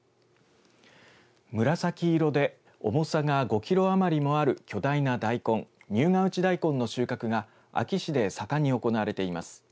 紫色で重さが５キロ余りもある巨大な大根入河内大根の収穫が安芸市で盛んに行われています。